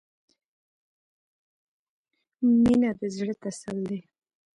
• مینه د زړۀ تسل دی.